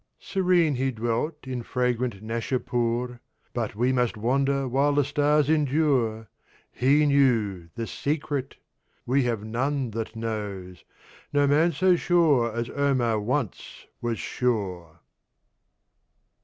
Serene he dwelt in fragrant Nasha'pu'r, But we must wander while the Stars endure. He knew THE SECRET: we have none that knows, No Man so sure as Omar once was sure!